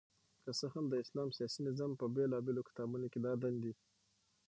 که څه هم د اسلام سياسي نظام په بيلابېلو کتابونو کي دا دندي